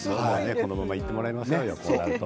このままいってもらいましょう。